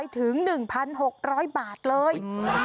ถึง๑๖๐๐บาทเลย